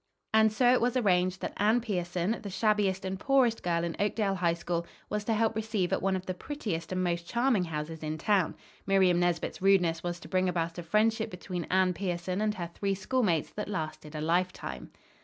And so it was arranged that Anne Pierson, the shabbiest and poorest girl in Oakdale High School, was to help receive at one of the prettiest and most charming houses in town. Miriam Nesbit's rudeness was to bring about a friendship between Anne Pierson and her three schoolmates that lasted a lifetime.